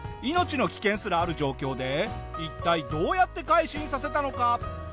命の危険すらある状況で一体どうやって改心させたのか？